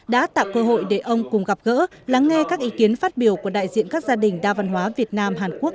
đã tạo cơ hội để ông cùng gặp gỡ lắng nghe các ý kiến phát biểu của đại diện các gia đình đa văn hóa việt nam hàn quốc